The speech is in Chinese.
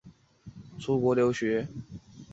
而后者亦选择了出国留学。